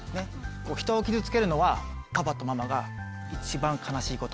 人を傷つけるのはパパとママが一番悲しいこと。